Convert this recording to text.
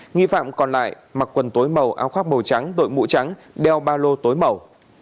nghi phạm còn lại mặc quần tối màu áo khoác màu trắng đội mũ trắng đeo ba lô tối màu